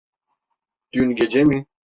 Dün gece mi?